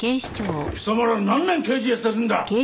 貴様ら何年刑事やってるんだ！